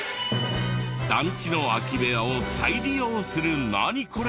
団地の空き部屋を再利用する「ナニコレ？」